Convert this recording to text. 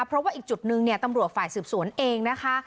เพราะว่าอีกจุดนึงเนี่ยตำรวจฝ่ายสืบสวนเองนะคะ